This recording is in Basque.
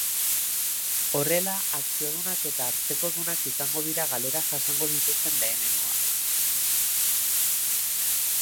Horrela, akziodunak eta hartzekodunak izango dira galerak jasango dituzten lehenengoak.